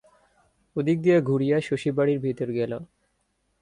ওদিক দিয়া ঘুরিয়া শশী বাড়ির ভিতের গেল।